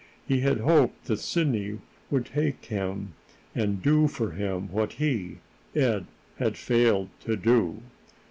He had hoped that Sidney would take him and do for him what he, Ed, had failed to do.